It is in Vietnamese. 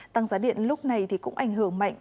tăng giá điện lúc này cũng ảnh hưởng mạnh